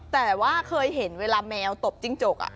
แต่ว่าเคยเห็นเวลาแมวตบจิ้งจก